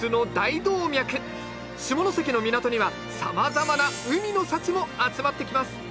下関の港にはさまざまな海の幸も集まってきます。